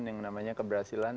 yang namanya keberhasilan